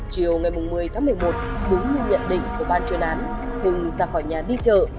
chiều ngày một mươi tháng một mươi một đúng như nhận định của ban chuyên án hưng ra khỏi nhà đi chợ